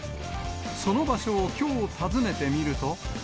その場所をきょう訪ねてみると。